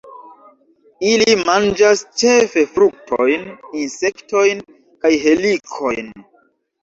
Ili manĝas ĉefe fruktojn, insektojn kaj helikojn.